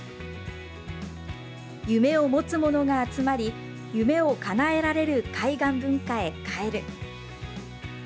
夢を持つものが集まり、夢をかなえられる海岸文化へ変える。